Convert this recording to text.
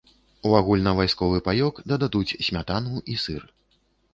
У агульнавайсковы паёк дададуць смятану і сыр.